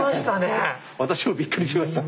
私もびっくりしました。